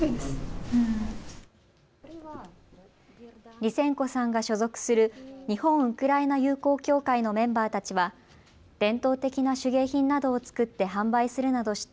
リセンコさんが所属する日本ウクライナ友好協会のメンバーたちは伝統的な手芸品などを作って販売するなどして